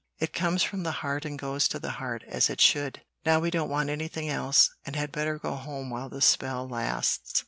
"It comes from the heart and goes to the heart, as it should. Now we don't want anything else, and had better go home while the spell lasts."